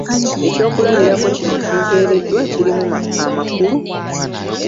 Ekyokulabirako kino ekimpeereddwa kirimu amakulu?